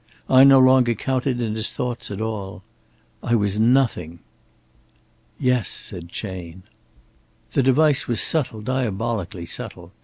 I no longer counted in his thoughts at all. I was nothing." "Yes," said Chayne. The device was subtle, diabolically subtle.